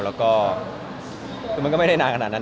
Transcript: แล้วก็คือมันก็ไม่ได้นานขนาดนั้น